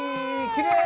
きれい！